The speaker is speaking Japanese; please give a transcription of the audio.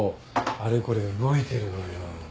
あれこれ動いてるのよ。